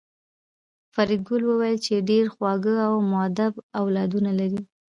فریدګل وویل چې ډېر خواږه او مودب اولادونه لرې